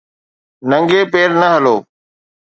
ننگي پير نه هلو